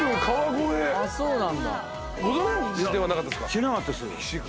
知らなかったです。